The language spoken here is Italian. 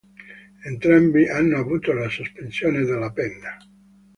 Entrambi hanno avuto la sospensione della pena.